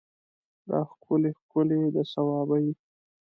دا ښکلي ښکلي د صوابی